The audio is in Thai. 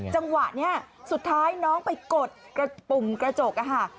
จังหวะนี้สุดท้ายน้องไปกดกระปุ่มกระจกอะค่ะ